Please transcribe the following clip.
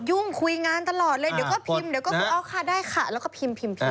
ยุ่งคุยงานตลอดเลยเดี๋ยวก็พิมพ์เดี๋ยวก็คือเอาค่ะได้ค่ะแล้วก็พิมพ์พิมพ์